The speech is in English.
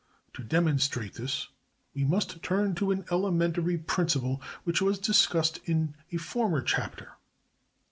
To demonstrate this, we must turn to an elementary principle which was discussed in a former chapter.